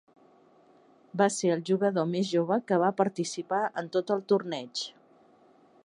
Va ser el jugador més jove que va participar en tot el torneig.